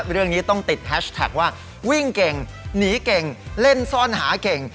เรื่องนี้ต้องติดแฮชแท็กว่าวิ่งเก่งหนีเก่งเล่นซ่อนหาเก่ง